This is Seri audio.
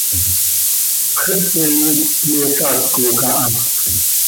Xepe iicp me saacoj aha.